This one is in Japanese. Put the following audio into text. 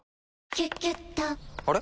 「キュキュット」から！